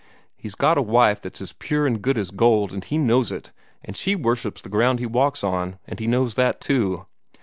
He's got a wife that's as pure and good as gold, and he knows it, and she worships the ground he walks on, and he knows that too.